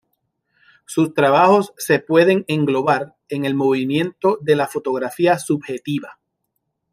Sus trabajos se pueden englobar en el movimiento de la fotografía subjetiva.